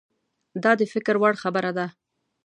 دا د فکر وړ خبره ده.